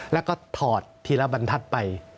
แล้วก็ถอดทีละบัณฑัตม์ไป